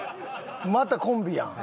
またコンビやん。